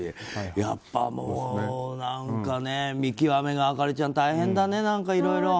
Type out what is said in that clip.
やっぱり見極めが亜香里ちゃん大変だね、いろいろ。